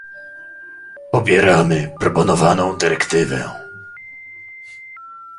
Popieramy proponowaną dyrektywę